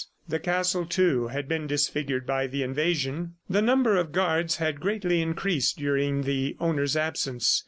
The castle, too, had been disfigured by the invasion. The number of guards had greatly increased during the owner's absence.